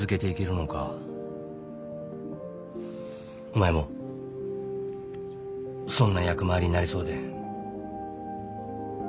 お前も損な役回りになりそうで。